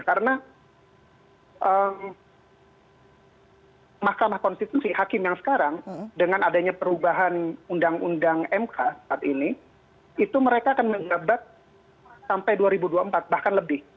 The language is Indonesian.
karena emm mahkamah konstitusi hakim yang sekarang dengan adanya perubahan undang undang mk saat ini itu mereka akan menjabat sampai dua ribu dua puluh empat bahkan lebih